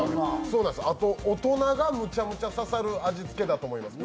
あと大人がむちゃむちゃ刺さる味付けだと思います。